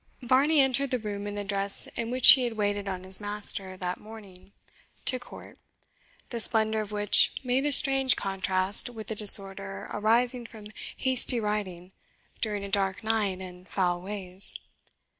Varney entered the room in the dress in which he had waited on his master that morning to court, the splendour of which made a strange contrast with the disorder arising from hasty riding during a dark night and foul ways.